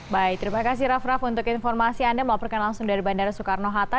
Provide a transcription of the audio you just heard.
baik terima kasih raff raff untuk informasi anda melaporkan langsung dari bandara soekarno hatta